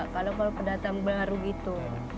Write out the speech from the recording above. kalau kalau pedatang baru gitu